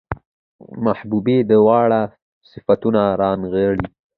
محبوبې دواړه صفتونه رانغاړي